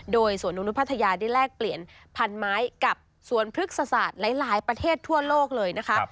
โดยสวนนุษยพัทยาได้แลกเปลี่ยนพันไม้กับสวนพฤกษศาสตร์หลายประเทศทั่วโลกเลยนะคะ